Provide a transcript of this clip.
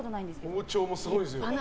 包丁もすごいですよ。